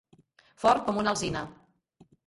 Fort com una alzina.